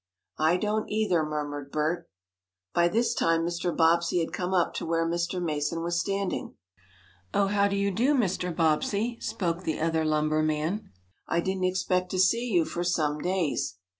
"I don't, either," murmured Bert. By this time Mr. Bobbsey had come up to where Mr. Mason was standing. "Oh, how do you do, Mr. Bobbsey," spoke the other lumber man. "I didn't expect to see you for some days."